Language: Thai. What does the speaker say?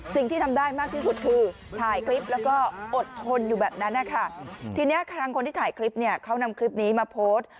สิ่งที่ทำได้มากที่สุดคือถ่ายคลิปแล้วก็อดทนอยู่แบบนั้นนะคะทีนี้ทางคนที่ถ่ายคลิปเนี่ยเขานำคลิปนี้มาโพสต์